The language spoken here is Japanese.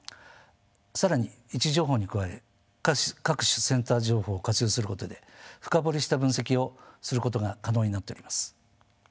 更に位置情報に加え各種センサー情報を活用することで深掘りした分析をすることが可能になっております。